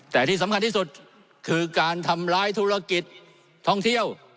แต่ที่สำคัญที่สุดคือการทำร้ายธุรกิจท่องเที่ยว